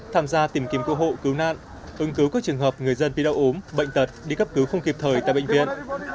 tham gia tìm kiếm cơ hội cứu nạn ứng cứu các trường hợp người dân bị đau ốm bệnh tật đi cấp cứu không kịp thời tại bệnh viện